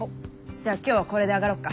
じゃあ今日はこれで上がろっか。